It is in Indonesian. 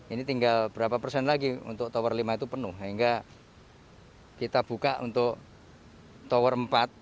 ini tinggal berapa persen lagi untuk tower lima itu penuh sehingga kita buka untuk tower empat